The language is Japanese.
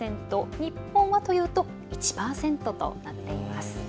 日本はというと１％となっています。